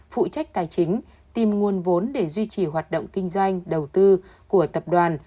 phụ trách tài chính tìm nguồn vốn để duy trì hoạt động kinh doanh đầu tư của tập đoàn